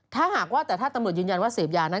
ถ้าหากว่าแต่ถ้าตำรวจยืนยันว่าเสพยานั้น